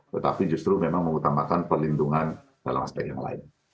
tetapi justru memang mengutamakan perlindungan dalam aspek yang lain